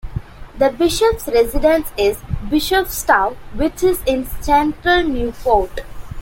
The bishop's residence is Bishopstow, which is in central Newport.